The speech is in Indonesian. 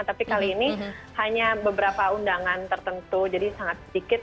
tapi kali ini hanya beberapa undangan tertentu jadi sangat sedikit